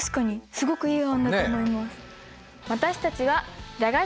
すごくいい案だと思います。